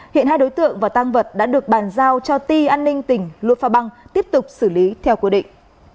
hiện hai đối tượng và tang vật đã được bàn giao cho ti an ninh tỉnh luôn pha băng tiếp tục xử lý theo quy định